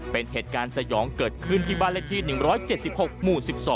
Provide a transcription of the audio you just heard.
เป็นเหตุการณ์สยองเกิดขึ้นที่บ้านเลขที่๑๗๖หมู่๑๒